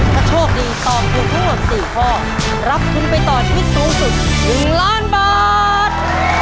ถ้าโชคดีต่อทุก๔ข้อรับทุนไปต่อชีวิตสูงสุด๑ล้านบาท